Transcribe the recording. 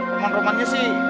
memang romannya sih